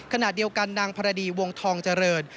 ขณะเดียวกันนางพรดีวงทองเจริญ